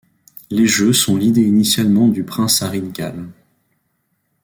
Les Jeux sont l'idée initialement du prince Harry de Galles.